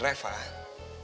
kalau lo gak ngejauhin reva